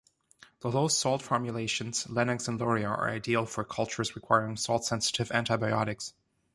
The low salt formulations, Lennox and Luria, are ideal for cultures requiring salt-sensitive antibiotics.